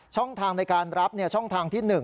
ช่องทางในการรับช่องทางที่๑